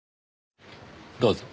どうぞ。